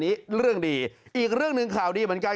เรื่องดีอีกเรื่องหนึ่งข่าวดีเหมือนกัน